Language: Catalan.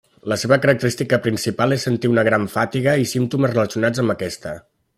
La seva característica principal és sentir una gran fatiga i símptomes relacionats amb aquesta.